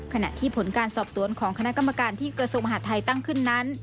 ขณะที่ผลการสอบสวนของคณะกรรมการที่กระทรวงมหาดไทยตั้งขึ้นนั้น